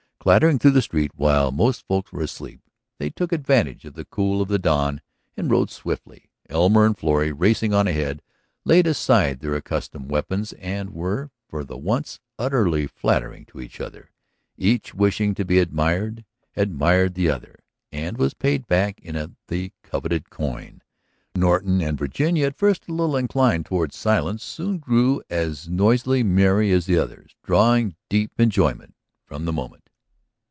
Clattering through the street while most folk were asleep, they took advantage of the cool of the dawn and rode swiftly. Elmer and Florrie racing on ahead laid aside their accustomed weapons and were, for the once, utterly flattering to each other. Each wishing to be admired, admired the other, and was paid back in the coveted coin. Norton and Virginia, at first a little inclined toward silence, soon grew as noisily merry as the others, drawing deep enjoyment from the moment.